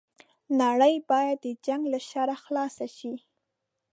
نړۍ بايد د جنګ له شره خلاصه شي